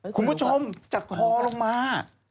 คุณก็ชมจากคอลงมา